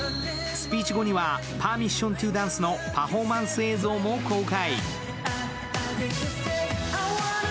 スピーチ後には「ＰｅｒｍｉｓｓｉｏｎｔｏＤａｎｃｅ」のパフォーマンス映像も公開。